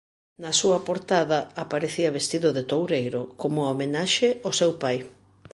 Na súa portada aparecía vestido de toureiro como homenaxe ó seu pai.